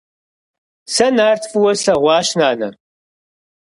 Сэ Нарт фӀыуэ слъэгъуащ, нанэ.